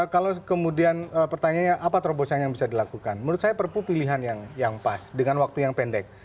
kalau kemudian pertanyaannya apa terobosan yang bisa dilakukan menurut saya perpu pilihan yang pas dengan waktu yang pendek